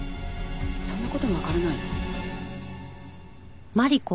そんな事もわからないの？